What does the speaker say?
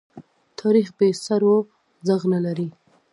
تاریخ بې سرو ږغ نه لري.